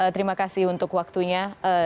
terima kasih untuk waktunya